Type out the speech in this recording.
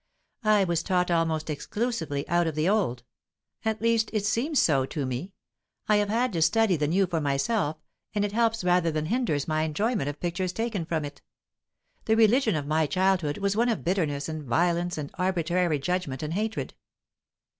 I was taught almost exclusively out of the Old at least, it seems so to me. I have had to study the New for myself, and it helps rather than hinders my enjoyment of pictures taken from it. The religion of my childhood was one of bitterness and violence and arbitrary judgment and hatred."